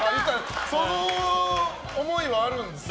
その思いはあるんですね。